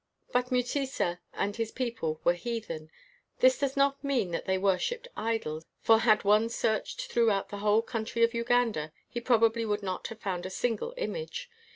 '' But Mutesa and his people were heathen. This does not mean that they worshiped idols; for had one searched throughout the 10 INTERVIEW WITH A BLACK KING whole country of Uganda, he probably would not have found a single image.